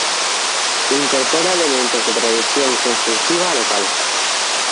Incorpora elementos de la tradición constructiva local.